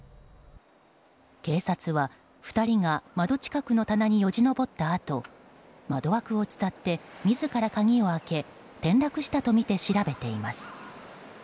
警察は、２人が窓近くの棚によじ登ったあと窓枠を伝って自ら鍵を開け転落したとみて調べています。